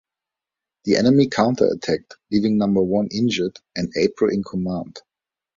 The enemy counter-attacked, leaving Number One injured and April in command.